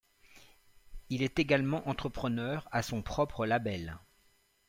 Il est également entrepreneur à son propre label.